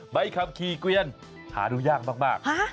ใบขับขี่เกวียนหาดูยากมาก